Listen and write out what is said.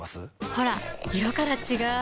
ほら色から違う！